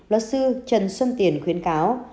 luật sư trần xuân tiền khuyến cáo